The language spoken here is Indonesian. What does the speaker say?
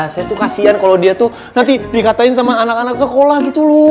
saya tuh kasian kalau dia tuh nanti dikatain sama anak anak sekolah gitu loh